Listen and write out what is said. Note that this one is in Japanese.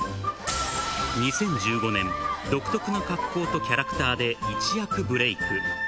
２０１５年、独特な格好とキャラクターで一躍ブレイク。